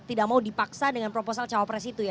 tidak mau dipaksa dengan proposal cawapres itu ya